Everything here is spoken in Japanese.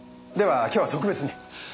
では今日は特別に。